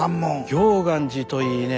行元寺といいね